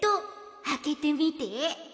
あけてみて！